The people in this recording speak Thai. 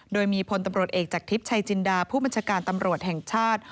โดยมีพลตำรวจเอกจากทิพย์ชัยจินดาผู้บัญชาการตำรวจแห่งชาติ